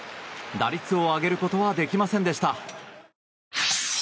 打率を上げることはできませんでした。